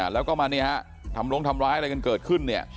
แล้วก็มาทำลงทำร้ายอะไรกันเกิดขึ้น